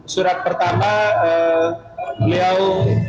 surat pertama beliau